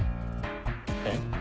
えっ？